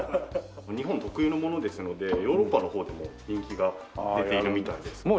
日本特有のものですのでヨーロッパのほうでも人気が出ているみたいです。